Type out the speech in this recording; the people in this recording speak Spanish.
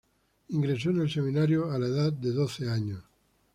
Ingresó en el Seminario a la edad de doce años.